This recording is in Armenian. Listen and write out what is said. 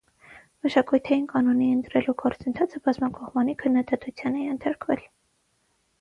Մշակութային կանոնի ընտրելու գործընթացը բազմակողմանի քննադատության է ենթարկվել։